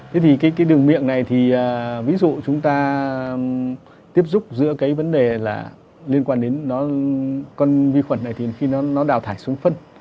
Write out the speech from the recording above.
thế thì cái đường miệng này thì ví dụ chúng ta tiếp xúc giữa cái vấn đề là liên quan đến con vi khuẩn này thì khi nó đào thải xuống phân